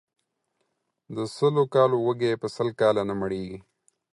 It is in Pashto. د سلو کالو وږى ، په سل کاله نه مړېږي.